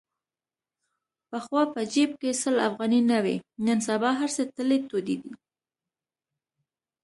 پخوا په جیب کې سل افغانۍ نه وې. نن سبا هرڅه تلې تودې دي.